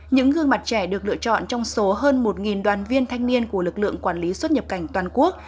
những gương mặt trẻ được lựa chọn trong số hơn một đoàn viên thanh niên của lực lượng quản lý xuất nhập cảnh toàn quốc